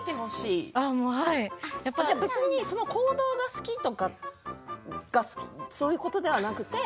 その行動が好きとかそういうことではなくて？